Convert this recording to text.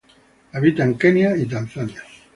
Habita en Kenia y Tanzania.